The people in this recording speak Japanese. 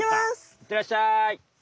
行ってらっしゃい。